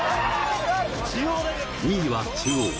２位は中央。